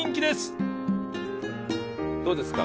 どうですか？